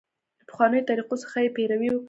پخوانیو طریقو څخه یې پیروي وکړه.